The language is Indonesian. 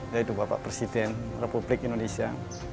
yaitu bapak presiden republik indonesia